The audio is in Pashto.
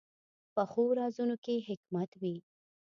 پخو رازونو کې حکمت وي